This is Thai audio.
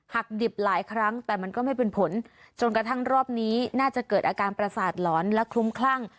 ดิบหลายครั้งแต่มันก็ไม่เป็นผลจนกระทั่งรอบนี้น่าจะเกิดอาการประสาทหลอนและคลุ้มคลั่ง